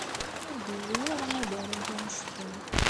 Ur d-yewwi ara ad arunt annect-en.